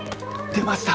出ました！